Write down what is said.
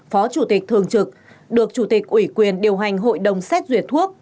phó chủ tịch thường trực được chủ tịch ủy quyền điều hành hội đồng xét duyệt thuốc